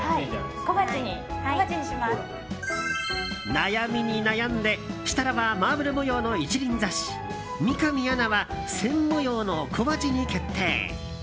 悩みに悩んで設楽はマーブル模様の一輪挿し三上アナは線模様の小鉢に決定。